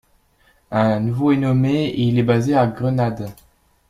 Un nouveau est nommé, et il est basé à Grenade.